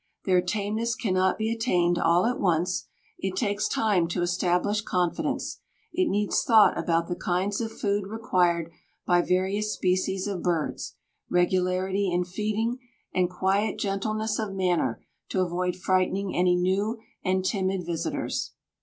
Their tameness cannot be attained all at once; it takes time to establish confidence; it needs thought about the kinds of food required by various species of birds, regularity in feeding, and quiet gentleness of manner to avoid frightening any new and timid visitors.